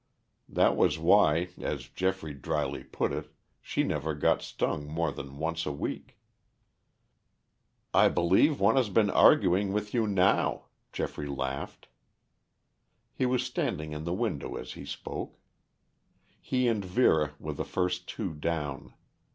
That was why, as Geoffrey dryly put it, she never got stung more than once a week. "I believe one has been arguing with you now," Geoffrey laughed. He was standing in the window as he spoke. He and Vera were the first two down.